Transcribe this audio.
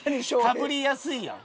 かぶりやすいやん。